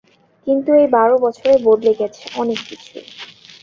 কিন্তু এই বারো বছরে বদলে গেছে অনেক কিছু।